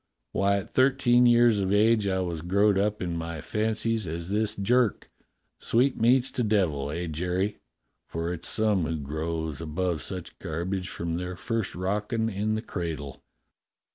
Why, at thirteen years of age I was as growed up in my fancies as this Jerk. Sweetmeats to devil, eh, Jerry .'^ for it's some who grows above such garbage from their first rocking in the cradle.